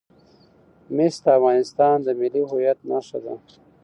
مس د افغانستان د ملي هویت نښه ده.